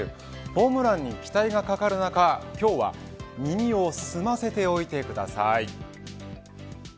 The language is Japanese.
ホームランに期待がかかる中今日は耳をすませておいてください。